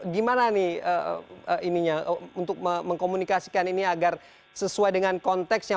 gimana nih untuk mengkomunikasikan ini agar sesuai dengan konteksnya